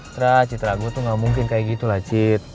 trah citra gue tuh gak mungkin kayak gitu lah cit